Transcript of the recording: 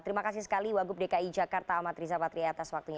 terima kasih sekali wakil gubernur dki jakarta ahmad riza patria atas waktunya